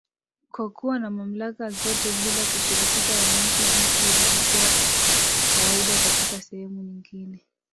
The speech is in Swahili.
kwa kuwa na mamlaka zote bila kushirikisha wananchi jinsi ilivyokuwa kawaida katika sehemu nyingine